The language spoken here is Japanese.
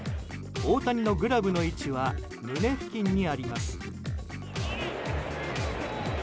大谷のグラブの位置は胸付近にあります。